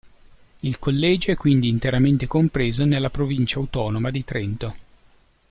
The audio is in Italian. Il collegio è quindi interamente compreso nella provincia autonoma di Trento.